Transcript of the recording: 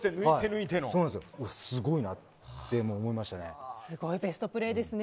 すごいなって思いましたね。